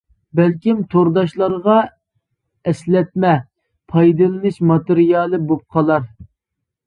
بەلكىم تورداشلارغا ئەسلەتمە، پايدىلىنىش ماتېرىيالى بولۇپ قالار.